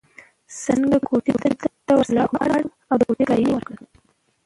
څنګ کوټې ته ورسره ولاړم او د کوټې کرایه مې ورکړل.